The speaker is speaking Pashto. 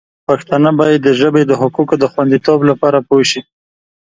پښتانه باید د ژبې د حقونو د خوندیتوب لپاره پوه شي.